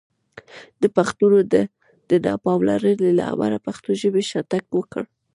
د پښتنو د نه پاملرنې له امله پښتو ژبې شاتګ وکړ!